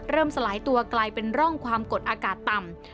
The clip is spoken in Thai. สลายตัวกลายเป็นร่องความกดอากาศต่ำ